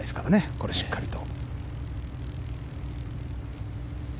ここでしっかりと。